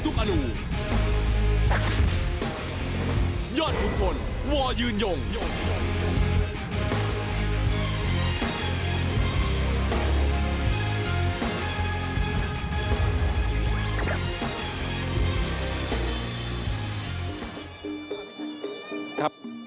ครับ